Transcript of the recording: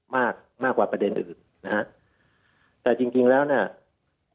มากมากกว่าประเด็นอื่นนะฮะแต่จริงจริงแล้วเนี่ย